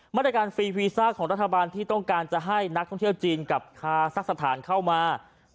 ฟรีวีซ่าของรัฐบาลที่ต้องการจะให้นักท่องเที่ยวจีนกับคาซักสถานเข้ามา